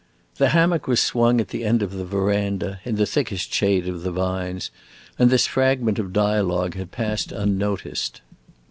The hammock was swung at the end of the veranda, in the thickest shade of the vines, and this fragment of dialogue had passed unnoticed.